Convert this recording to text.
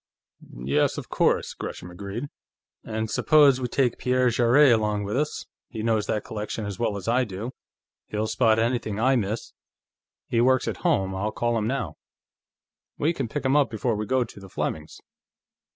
"Yes, of course," Gresham agreed. "And suppose we take Pierre Jarrett along with us. He knows that collection as well as I do; he'll spot anything I miss. He works at home; I'll call him now. We can pick him up before we go to the Flemings'."